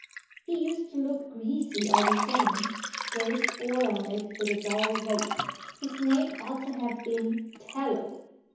"He used to look greasy, all the same" Grace bore on it with a dull weight. "His name ought to have been Tallow."